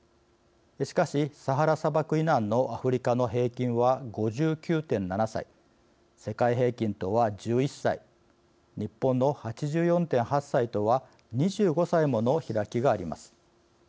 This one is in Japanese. しかし、サハラ砂漠以南のアフリカの平均は５９．７歳世界平均とは１１歳日本の８４．８歳とは２５歳もの開きがあります。